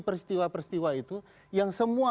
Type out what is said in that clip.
peristiwa peristiwa itu yang semua